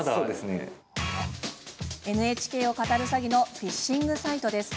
ＮＨＫをかたる詐欺のフィッシングサイトです。